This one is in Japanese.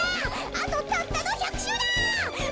あとたったの１００しゅうだ！